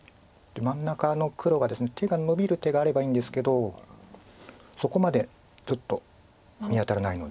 真ん中の黒が手がのびる手があればいいんですけどそこまでちょっと見当たらないので。